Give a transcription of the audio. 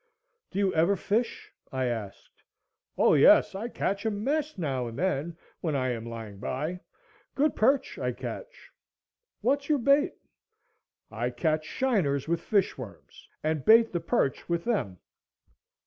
"Do you ever fish?" I asked. "Oh yes, I catch a mess now and then when I am lying by; good perch I catch." "What's your bait?" "I catch shiners with fish worms, and bait the perch with them."